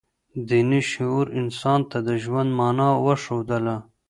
دیني شعور انسان ته د ژوند مانا وښودله.